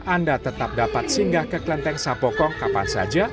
anda tetap dapat singgah ke kelenteng sampokong kapan saja